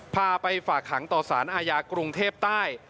พาไปฝากหางต่อสารอาญากรุงเทพใต้